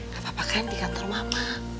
gapapa kan di kantor mama